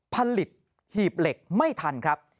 ผลิตหีบเหล็กไม่ทันครับ